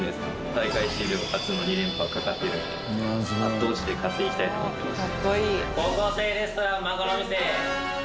大会史上初の２連覇がかかっているので圧倒して勝っていきたいと思ってます。